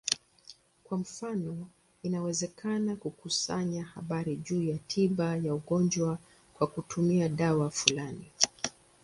Kwa mfano, inawezekana kukusanya habari juu ya tiba ya ugonjwa kwa kutumia dawa fulani.